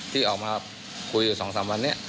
ที่ออกมาคุยอยู่สองสามวันเนี่ย